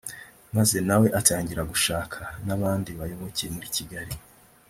Maze nawe atangira gushaka n’abandi bayoboke muri Kigali